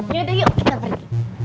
yaudah yuk kita pergi